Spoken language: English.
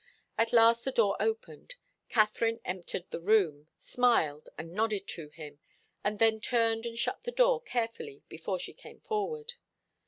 At last the door opened. Katharine entered the room, smiled and nodded to him, and then turned and shut the door carefully before she came forward.